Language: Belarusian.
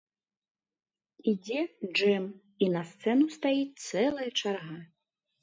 Ідзе джэм, і на сцэну стаіць цэлая чарга!